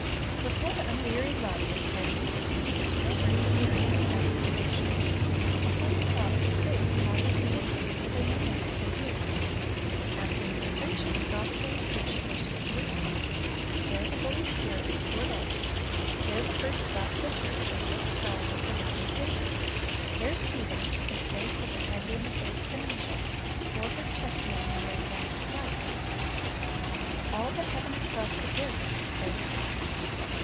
With what unwearied love did Christ minister to Israel during the period of added probation. Upon the cross He prayed, '.'Father, forgive them; for they know not what they do."^ After His ascension the gospel was preached first at Jerusalem. There the Holy Spirit was poured out. There the first gospel church revealed the power of the risen Saviour. There Stephen — "his face as it had been the face of an angel"* — bore his testimony and laid down his life. All that heaven itself could give was bestowed.